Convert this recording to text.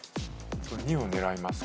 ２を狙いますか。